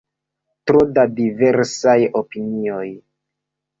Tro da diversaj opinioj.